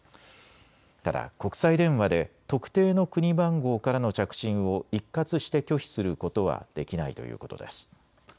ただ国際電話で特定の国番号からの着信を一括して拒否することはできないということです。